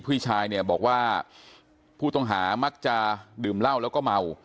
พี่ชายเนี่ยบอกว่าผู้ต้องหามักจะดื่มเหล้าแล้วก็เมา